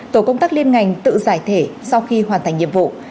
tổ công tác liên ngành tự giải thể sau khi hoàn thành nhiệm vụ